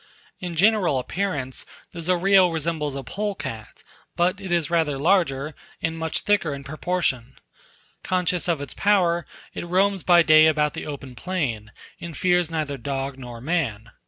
In general appearance, the Zorillo resembles a polecat, but it is rather larger, and much thicker in proportion. Conscious of its power, it roams by day about the open plain, and fears neither dog nor man.